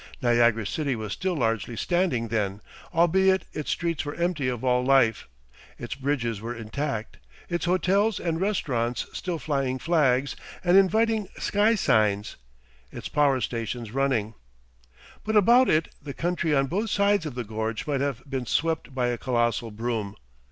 Niagara city was still largely standing then, albeit its streets were empty of all life. Its bridges were intact; its hotels and restaurants still flying flags and inviting sky signs; its power stations running. But about it the country on both sides of the gorge might have been swept by a colossal broom.